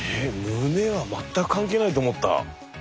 胸は全く関係ないと思った。